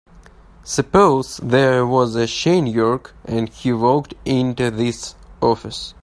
Suppose there was a Shane York and he walked into this office.